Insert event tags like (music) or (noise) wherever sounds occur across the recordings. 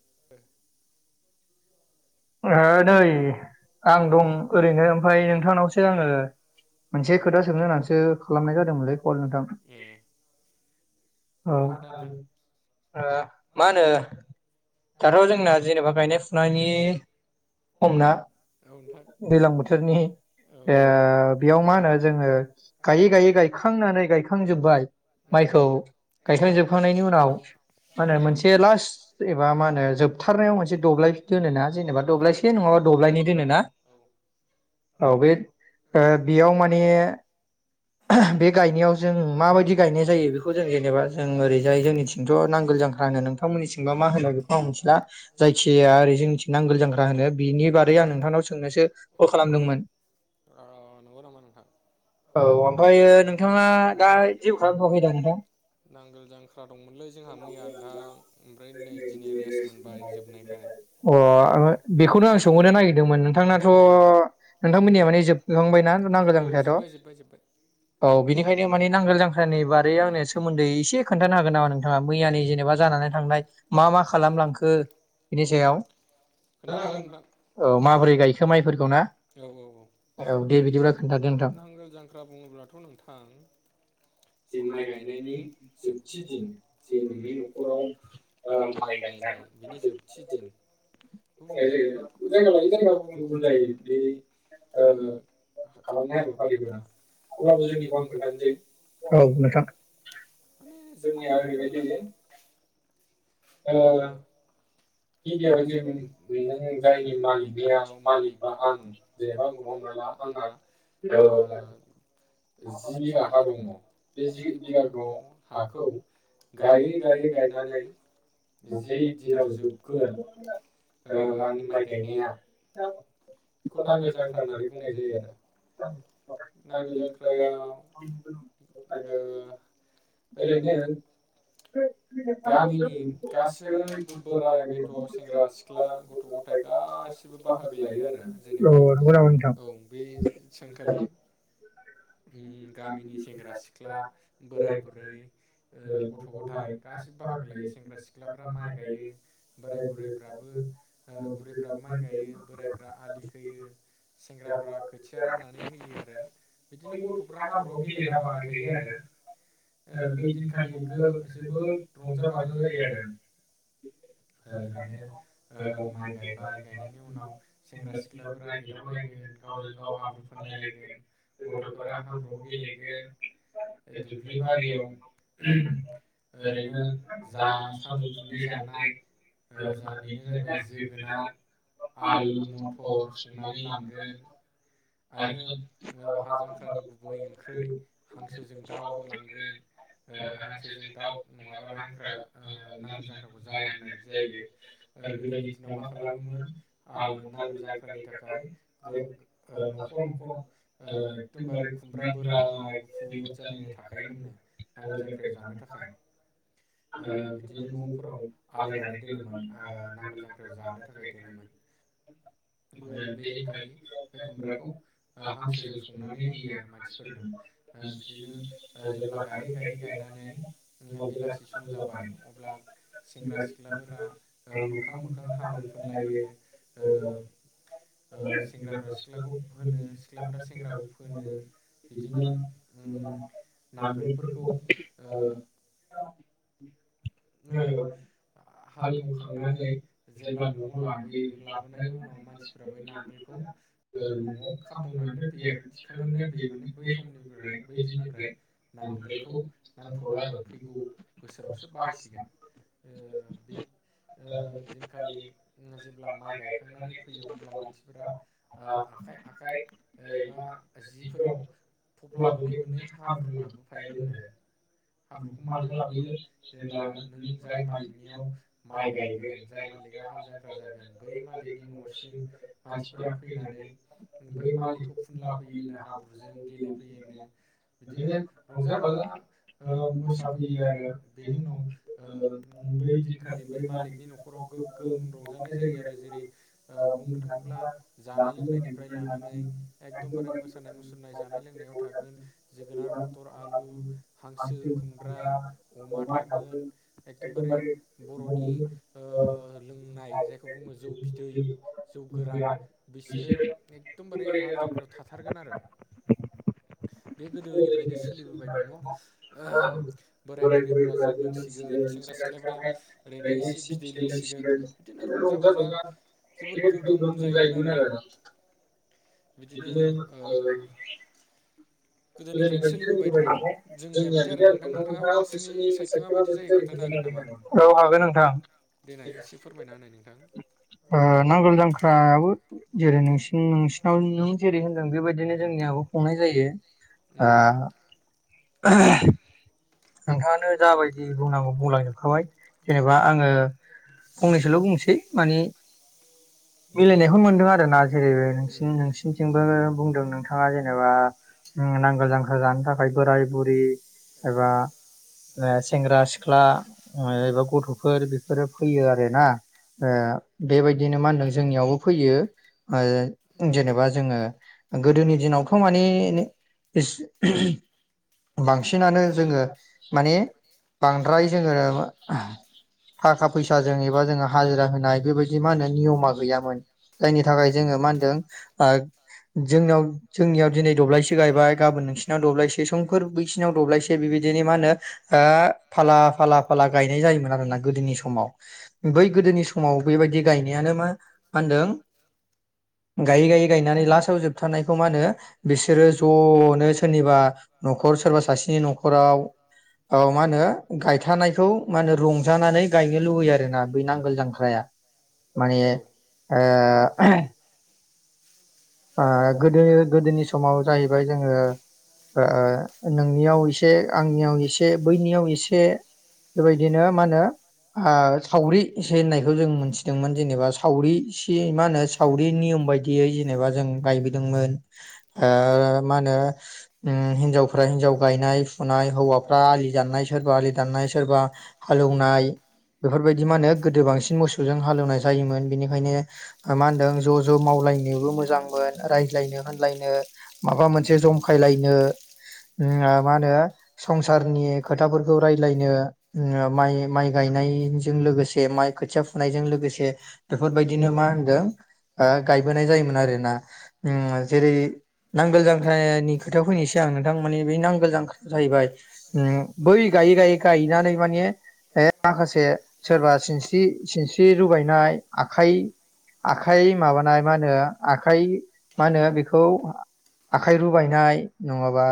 (unintelligible) ओ नै आं दं ओरैनो ओमफाय नोंथांनावसो आङो मोनसे खोथा सोंनो होननानैसो खालामनाय जादोंमोनलै कल नोंथां औ ओ मा होनो दाथ' जोंना जेनेबा गायनाय फुनायनि हमना दैलां बोथोरनि ओ बेयाव मा होनो जोङो गायै-गायै गायखांनानै गायखांजोब्बाय माइखौ गायखांजोबखांनायनि उनाव मा होनो मोनसे लास्ट एबा मा होनो जोबथारनायाव मोनसे दब्लाय दोनोना जेनेबा दब्लायसे नङाबा दब्लायनै दोनोना औ बे ओ बेयाव माने बे गायनायाव जों माबायदि गायनाय जायो बेखौ जों जेनेबा जों ओरैजाय जोंनिथिंथ' नांगोल जांख्रा होनो नोंथांमोनि थिंबा मा होनो बेखौ आं मिथिला जायखिाया ओरै जोंनिथिं नांगोल जांख खा होनो बिनि बारै आं नोंथांनाव सोंनोसो कल खालामदोंमोन। औ ओमफायो नोंथाङा दा जेबो खालामथवाखैदा नोंथां? नांगोल जांख्रा दंमोनलै जोंहा मैया नोंथां ओमफ्राय नै दिनै रेस्ट मोनबाय जोबनायखाय। बेखौनो आं सोंहरनो नागिरदोंमोन नोंथांनाथ' नोंथांमोननिया माने जोबलांबायना नांगोल जांख्रायाथ' औ बिनिखायनो माने नांगोल जांख्रानि बारै आंनो सोमोन्दै एसे खोन्थानो हागोन नामा नोंथाङा मैयानि जेनेबा जानानै थांनाय मा-मा खालामलांखो बिनि सायाव। औ माबोरै गायखो माइफोरखौ ना। औ-औ-औ नांगोल जांख्रा बुङोब्लाथ' नोंथां जि माइ गायनायनि जोबथि दिन जे नोंनि न'खराव ओ माइ गायनाय बिनि जोबथि दिन (unintelligible) (inaudible) ओ (unintelligible) जेनेबा आंखौनो हमना ला आंहा जि बिघा हा दङ बे जि बिगा हाखौ गायै गायै गायनानै जि दिनाव जोब (unintelligible) बेखौ नांगोल जांख्रा होननानै बुंनाय जायो आरो नांगोल जांख्रायाव ओ ओरैनो गामिनि गासै बोराय बे बेन्थ' सेंग्रा सिख्ला गथ' गथाय गासिबो बाहागो लायो आरो। जेनेबा औ बे सानखालि गामिनि सेंग्रा सिख्ला बोराय बुरै गथ' गथाय गासिबो बाहागो लायो सेंग्रा सिख्लाफ्रा माइ गायो बोराय बुरफ्राबो बुरैफ्राबो माइ गायो बोरायफोरा आलि यो सेंग्राफोरा खोथिया राननानै होयो आरो। बिदिनो गथ'फ्रा हाब्राव गेलेलाबायबाय थायो आरो बै दिनखालि जोबोद रंजा बाजा जायो आरो ओरैनो ओ माइ गायबाय गायनायनि उनाव सेंग्रा सिख्ला (unintelligible) गथ'फोराआव गेलेगोन दुब्लि बारियाव ओरैनो जा सान्दुं (unintelligible) (unintelligible) हाल जांख्रानि गुबै ओंख्रि हांसोजों दाउ होनांगोन। हांसोजों दाउ नङाबानो हांख्रा नांगोल जांख्राखौ जाया होननाय बायदि जायो गोदोनि दिनाव मा खालामोमोन नांग ज्रा (unintelligible) नि थाखाय न'खर न'खर (unintelligible) ओ बे दिनखालि बे खुमब्राखौ ओ हा संनानै होयो आरो मानसिफोरनो ओ बिदिनो जेब्ला गायै गायै गायनानै ओ बेलासि सम जाबाय अब्ला सेंग्रा सिख्लाफोरा ओ मोखां मोखां हाब्रु फोनलायो ओ (unintelligible) (unintelligible) ओ हालेवखांनानै जेब्ला न'आव लाबोयो लाबोनायनि उनाव मानसिफोरा बै नांगोलखौ न'आव खाब - (unintelligible) ओ बे ओ दिनखालि जेब्ला माइ गायखांनानै फैयो अब्ला मानसिफोरा ओ आखाइ आाखाइ आखाय ओ एबा जिफोराव थफ्ला बोनै बोनै हाब्रु लाबोफायोमोननो हाब्रुखौ मानो लाबोयो जेब्ला नों जाय मालिकनियाव माइ गायगोन जाय मालिकआ हाल जांख्रा जागोन बै मालिकनि न'सिम मानसिफोरा फैनानै बै मालिकखौ फुनला फैयो हाब्रुजों गेलेफैयोनो बिदिनो रंजा बाजा मोसाफैयो आरो बेनि उनाव (unintelligible) नानै एकदमबारे मोसानाय मुसुरनाय जानाय लोंनायाव थागोन जोगोनार मथर आलु हांसो खुमब्रा अमा थागोन। एखदमबारे बर'नि ओ लोंनाय जायखौ बुङो जौ बिदै जौ गोरान बिसोरो एकदमबारे हाल जांख्रायाव थाथारगोन आरो बे गोदोनिफ्रायनो सोलिबोबाय दङ बोराय बुरैफोरा जौ लोंसिगोन सेंग्रा सिख्लाफ्रा ओरैनो एसे बिदै लोंसिगोन बिदिनो रंजा बाजा जोबोद गोगोम जायोमोन आरो। बिदिनो आवगायो गोदोनिफ्रायनो सोलिबोबाय दङ जोंनिया बिदि आरो नोंथां नोंथाङा नोंसोरनि साइडख माबायदि जायो औ हागोन नोंथां ओ नांगोल जांख्रायाबो जेरै नोंसि नोंसिनाव नों जेरै होनदों बेबायदिनो। जोंनियावबो खुंनाय जायो। ओ (unintelligible) नोंथाङानो जाबायदि बुंनांगौ बुंलांजोबखाबाय जेनेबा आङो फंनैसोल' बुंसै मानि मिलायनायखौ मोनदों आरो ना जेरै नों नोंसिनिथिंबो बुंदों नोंथाङा जेनेबा नांगोल जांख्राल जानो थाखाय बोराय बुरि एबा ओ सेंग्रा सिख्ला ओ गथ' फोर बेफोरो फैयो आरो ना ओ बेबायदिनो मा होनदों जोंनियावबो फैयो। ओ जेनेबा जोङो गोदोनि दिनावथ' माने बांसिनानो जोङो माने बांद्राय जोङो थाखा फैसाजों एबा जोङो हाजिरा होनाय बेबायदि मा होनो नियमा गैयामोन जायनि थाखाय जोङो मा होनदों ओ जोंनाव जोंनियाव दिनै दब्लायसे गायबाय गाबोन नोंसिनाव दब्लायसे समफोर बैसिनाव दब्लायसे बेबायदि दिनो मा होनो फाला फाला फाला गायनाय जायोमोन आरोना गोदोनि समाव बै गोदोनि समाव बेबायदि गायनायानो मा मा होनदों गायै गायै गायनानै लासआव जोबथारनायखौ मा होनो बिसोरो ज'नो सोरनिबा न'खर सोरबा सासेनि न'ख (unintelligible) औ मा होनो गायथानायखौ मा होनो रंजानानै गायनो लुबैयो आरोना बे नांगोल जांख्राया माने ओ आ आ गोदोयो गोदोनि समाव जाहैबाय जोङो ओ ओ नोंनियाव एसे आंनियाव एसे बैनियाव एसे बेबायदिनो मा होनो ओ सावरि एसे होननायखौ जों मोनथिदोंमोन जेनेबा सावरि एसे मा होनो सावरि नियम बायदियै नेबा जों गायबोदोंमोन। ओ मा होनो उम हिनजावफ्रा हिनजाव गायनाय फुनाय हौवाफ्रा आलि दाननाय सोरबा आलि दाननाय सोरबा हालौवनाय बेफोरबायदि मा होनो गोदो बांसिन मोसौजों हालौवनाय जायोमोन बेनिखायनो मा होनदों ज' ज' मावलायनो बो मोजां मोन रायज्लायनो होनलायनो माबा मोनसे जंखायलायनो माहोनो संसारनि खोथाफोरखौ रायज्लायनो माय माय गायनायजों लोगोसे खोथिया फुनायजों लोगोसे बेफोर बायदिनो माहोनदो ओ गायबोनाय जायोमोन। आरोना जेरै नांगोल जांख्रानि खोथायाव फैनोसै आं थां मानि बे नांगोल जांख्रा जाहैबाय उम बै गायै गायै गायनानै माने माखासे सोरबा सिनस्रि सिनस्रि रुबायनाय आखाइ आखाइ माबानाय मा होनो आखाइ मा होनो बेखौ आखाइ रुबायनाय नङाबा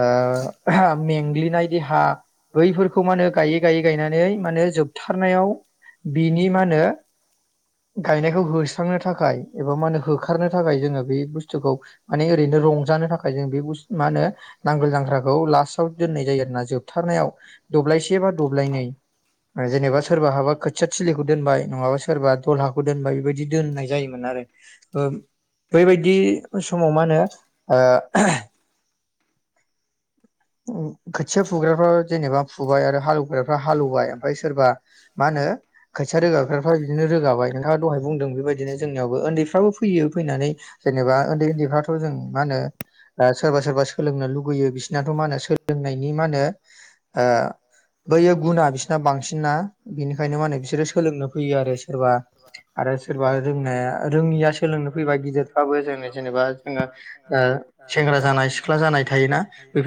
ओ मेंग्लिनाय देहा बैफोरखौ मा होनो गायै गायै गायनानै माने जोबथारनायाव बिनि मा होनो गायनायखौ होस्रांनो थाखाय एबा मा हो खारनो थाखाय जोङो बे बुस्थुखौ माने ओरैनो रंजानो थाखाय जों बे बु मा होनो नांगोल जांख्राखौ लास्टाव दोननाय जायो आरोना जोबथारनायाव दब्लायसे बा दब्लायनै जेनेबा सोरबा हाबा खोथिया थिलिखौ दोनबाय नङाबा सोरबा दलहाखौ दोनबाय बेबायदि दोननाय जायोमोन आरो। ओब बेबायदि समाव मा होनो ओ खोथिया फुग्राफ्रा जेनेबा फुबाय आरो हालौग्राफ्रा हालौवबाय, ओमफाय सोरबा मा होनो खोथिया रोगाग्राफ्रा बिदिनो रोगाबाय, नोंथाङा दहाय बुंदों बेबायदिनो जोंनियावबो उन्दैफ्राबो फैयो फैनानै जेनेबा ओन्दै ओन्दैफ्राथ' जों मा होनो सोरबा सोरबा सोलोंनो लुगैयो बिसिना (unintelligible) होलोंनायनि मा होनो ओ बैयो गुना बिसना बांसिनना बिनिखायनो मा मोनो बिसोरो सोलोंनो फैयो आरो सोरबा आरो सोरबा रोंनाया रोङिया सोलोंनो फैबा गिदिरफ्राबो जोङो जेनेबा जोङो सेंग्रा जानाय सिख्ला जानाय थायोना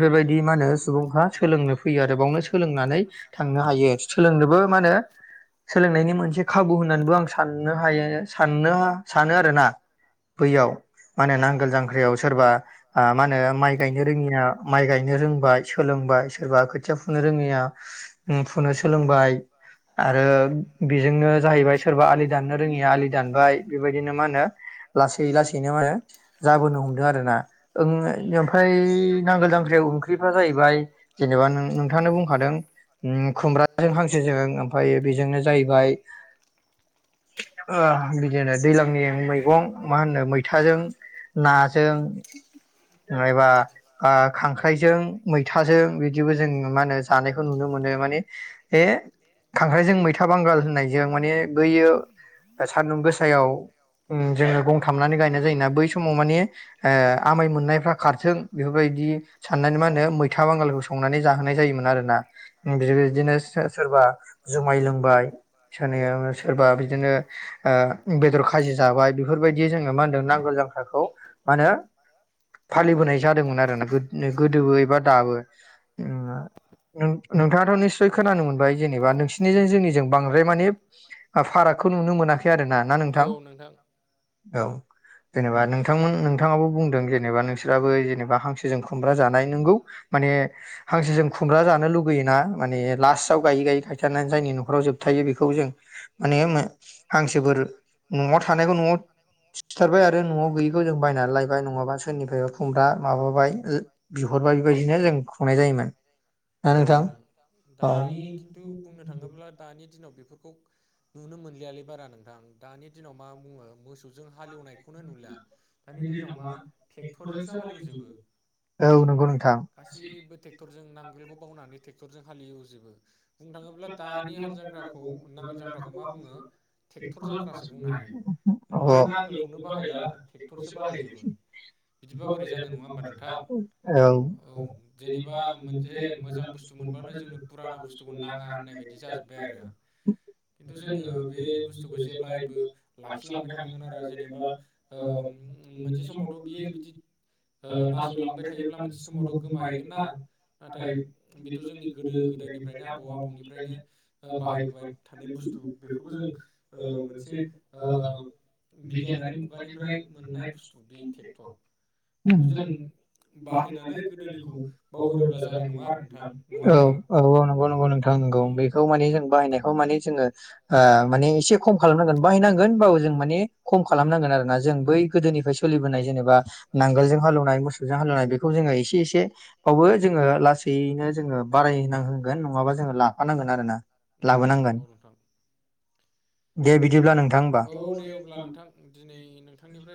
बेबायदि मा होनो सुबुंफ्रा सोलोंनो फैयो आरो बावनो सोलोंनानै थांनो हायो सोलोंनोबो मा होनो सोलोंनायनि मोनसे खाबु होननानैबो आं साननो हायो साननो सानो आरोना बैयाव मा होने नांगोल जांख्रायाव सोरबा मा होनो माइ गायनो रोङिया माइ गायनो रोंबाय सोलोंबाय सोरबा खोथिया रोङिया फुनो सोलोंबाय आरो बेजोंनो जाहोयबाय सोरबा आलि दाननो रोङिया आलि दानबाय। बेबायदिनो मा होनो लासै लासैनो मानो जाबोनो हमदों आरोना। ओं मोफाय नांगोल जांख्र (unintelligible) ओंख्रिफ्रा जाहैबाय जेनेबा नोंथांङानो बुंखादों खुमब्राजों हांसोजों ओमफ्राय बेजोंनो जाहैबाय ओ बिदिनो दैलांनि मैगं मा होनो मैथाजों नाजों नायबा आ खांख्राइजों मैथाजों बिदिबो जों मा होनो जानायखौ नुनो मोनो, माने बे खांख्राइजों मैथा बांगाल होननायजों माने बैयो सान्दुं गोसायाव जोङो गंथामनानै गायनाय जायोना बै समाव माने ओ आमाय मोननायफ्रा खारथों दि साननानै मा होनो मैथा बांगालखौ संनानै जाहोनाय जायोमोन आरोना। बिदिनो सो-सोरबा जुमाय लोंबाय सोरनि सोरबा बिदिनो ओ बेदर खाजि जाबाय बेफोरबायदि जोङो मा होनदों नांगोल जांख्राखौ मा होनो फालिबोनाय जादोंमोन आरो ना (unintelligible) गोदोबो एबा दाबो। नों-नोंथाङाथ' निसय खोनानो मोनबाय जेनेबा नोंसिनिजों जोंनिजों बांद्राय माने फारागखौ नुनो मोनाखै आरो ना, ना नोंथां औ। जेनेबा नों (unintelligible) नोंथाङाबो बुंदों जेनेबा नोंसोराबो हांसो जों खुमब्रा जानाय नंगौ माने हांसो जों खुमब्रा जानो लुबैयोना माने लासआव गायै गायै गायखांनानै जायनि न'खराव जोबथायो बेखौ जों माने मो हांसोफोर न'आव थानायखौ न'आव सिथारबाय आरो न'आव गोयैखौ बायनानै लायबाय नङाबा सोरनिफ्रायबा खुमब्रा माबाबाय ओ बिहरबाय बिबायदिनो जों‌ खुंनाय जायोमोन ना नोंथां औ। दानि दिनाव बेफोरखौ नुनो मोनलै बारा नोंथां दानि दिनाव मा बुङो मोसौ जों हालेवनायखौनो नुला। दानि दिनाव मा ट्रेक्टरजोंसो हालेव जोबो गासैबो ट्रेक्टरजों नांगोलखौ बावनानै ट्रेक्टरजों हालेव जोबो। (inaudible) (inaudible) औ (inaudible) नाङा होननाय बायदि जाजोब्बाय आरो खिन्थु जोङो बे बुस्थुखौ जेब्लायबो लाखि लांबाय थानांगोन आरो जेनेबा ओ नों समाव बियो नासयलांबाय थायोब्ला मोनसे समाव गोमा होगोनना नाथाय बेथ' जोंनि गोदो गोदायनिफ्रायनो आबौ आबौ आबैनिफ्रायनो बाहायबोबाय थानाय बुस्तु बेफोरखौ जों ओ मोनसे बिगियानारि मुगानिफ्राइ (inaudible) नोंगौ नोंथां नोंगौ बेखौ माने जों बाहायनायखौ माने जोङो ओ माने एसे खम खालामनांगोन बाहायनांगोन होनबाबो जों माने खम खालामनांगोन आरोना जों बै गोदोनिफ्राय सोलिबोनाय जेनेबा नांगोलजों हालेवनाय मोसौजों हालेवनाय बेखौ जोङो एसे एसे बाबो जोङो लासैनो जोङो बारायहोनांगोन नङाबा जोङो लाफानांगोन आरोना लाबोनांगोन। औ दे अब्ला नोंथां दिनै नोंथांनिफ्राय